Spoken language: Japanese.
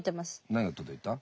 何が届いた？